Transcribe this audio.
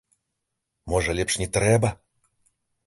Можа, лепш не трэба?